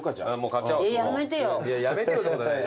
やめてよって言うことない。